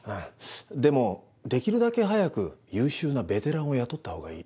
でもできるだけ早く優秀なベテランを雇ったほうがいい。